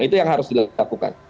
itu yang harus dilakukan